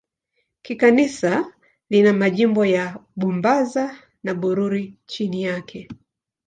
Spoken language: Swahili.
Kikanisa lina majimbo ya Bubanza na Bururi chini yake.